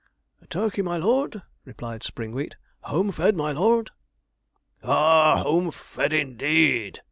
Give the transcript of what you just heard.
'A turkey, my lord,' replied Springwheat; 'home fed, my lord.' 'Ah, home fed, indeed!'